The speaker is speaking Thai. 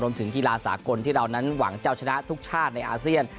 ถึงกีฬาสากลที่เรานั้นหวังจะชนะทุกชาติในอาเซียน